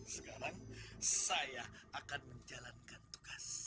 sekarang saya akan menjalankan tugas